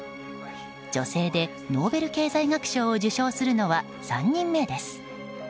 女性でノーベル経済学賞を受賞するのは３人目です。